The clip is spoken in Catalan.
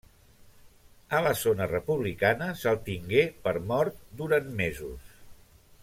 A la zona republicana se'l tingué per mort durant mesos.